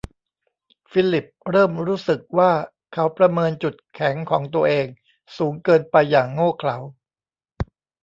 ฟิลลิปเริ่มรู้สึกว่าเขาประเมินจุดแข็งของตัวเองสูงเกินไปอย่างโง่เขลา